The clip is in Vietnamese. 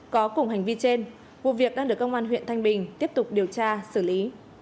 có cùng hành vi trên vụ việc đang được công an huyện thanh bình tiếp tục điều tra xử lý